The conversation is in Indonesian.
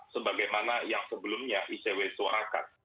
sebagaimana yang sebelumnya icw suarakan